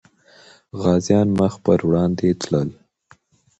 غازيان مخ پر وړاندې تلل.